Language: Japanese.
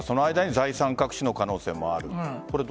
財産隠しの可能性もある。